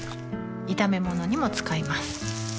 炒め物にも使います